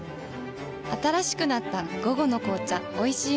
新しくなった「午後の紅茶おいしい無糖」